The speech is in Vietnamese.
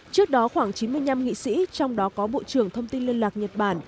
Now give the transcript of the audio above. trước đó khoảng chín mươi năm nghị sĩ trong đó có bộ trưởng thông tin liên lạc nhật bản